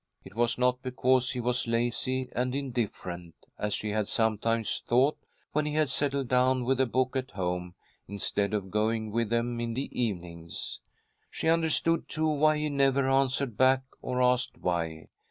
It was not because he was lazy and indifferent, as she had sometimes thought, when he had settled down with a book at home, instead of going with them in the evenings. She understood, too, why he never "answered back" or asked why.